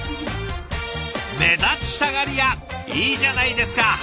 目立ちたがり屋いいじゃないですか！